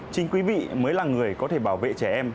chính quý vị mới là người có thể bảo vệ trẻ em